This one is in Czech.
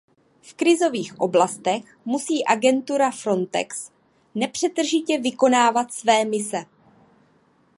V krizových oblastech musí agentura Frontex nepřetržitě vykonávat své mise.